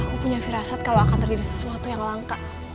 aku punya firasat kalau akan terjadi sesuatu yang langka